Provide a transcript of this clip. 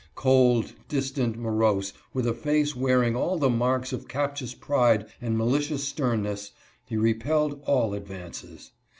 Cold, distant, morose, with a face wearing all the marks of captious pride and malicious sternness, he repelled all advances.